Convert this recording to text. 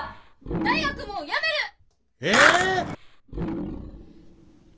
大学もうやめる！ええ！？